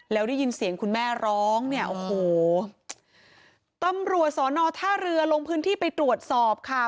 แล้วได้ยินเสียงคุณแม่ร้องเนี่ยโอ้โหตำรวจสอนอท่าเรือลงพื้นที่ไปตรวจสอบค่ะ